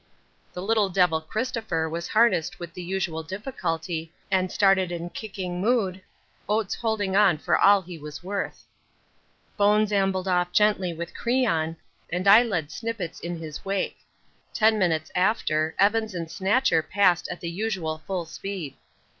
The little devil Christopher was harnessed with the usual difficulty and started in kicking mood, Oates holding on for all he was worth. Bones ambled off gently with Crean, and I led Snippets in his wake. Ten minutes after Evans and Snatcher passed at the usual full speed.